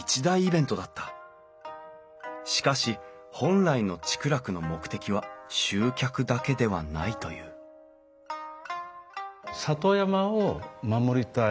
しかし本来の竹楽の目的は集客だけではないという里山を守りたい。